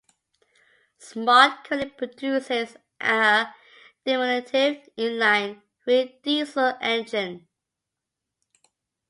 Smart currently produces a diminutive inline-three diesel engine.